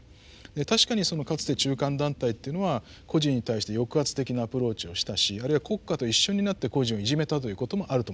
確かにかつて中間団体というのは個人に対して抑圧的なアプローチをしたしあるいは国家と一緒になって個人をいじめたということもあると思います。